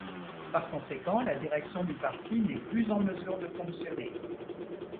Par conséquent, la direction du parti n'est plus en mesure de fonctionner.